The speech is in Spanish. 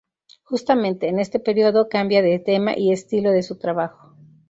Justamente en este periodo cambia de tema y estilo de su trabajo.